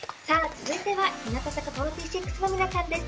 続いては日向坂４６の皆さんです。